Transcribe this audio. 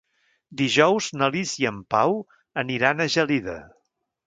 Dijous na Lis i en Pau aniran a Gelida.